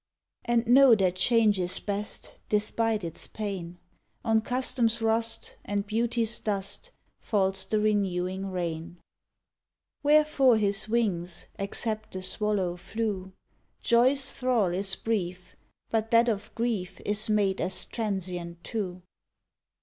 And know that change is best, despite its pain: On custom s rust And Beauty s dust Falls the renewing rain. 59 A YELLOW ROSE Wherefore his wings, except the swallow flew? Joy s thrall is brief, But that of grief Is made as transient too.